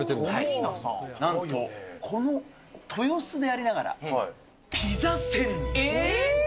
なんとこの豊洲でありながら、えー！